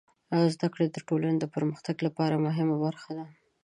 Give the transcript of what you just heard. زدهکړه د ټولنې د پرمختګ لپاره مهمه برخه ده.